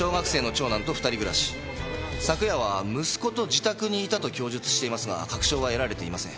昨夜は息子と自宅にいたと供述していますが確証は得られていません。